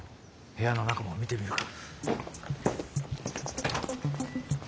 部屋の中も見てみるか。